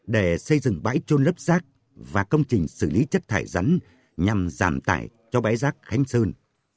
để xây dựng bãi trôn lớp rác và công trình xử lý chất thải rắn nhằm giảm tải cho bãi rác khánh sơn